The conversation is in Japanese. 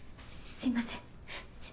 すいません。